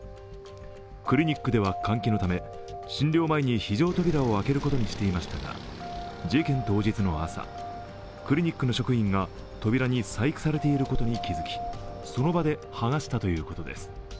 クリニックでは換気のため診療前に非常扉を開けることにしていましたが事件当日の朝、クリニックの職員が扉に細工されていることに気づき、その場ではがしたということです。